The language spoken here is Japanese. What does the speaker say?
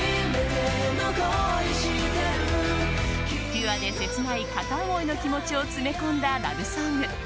ピュアで切ない片思いの気持ちを詰め込んだラブソング。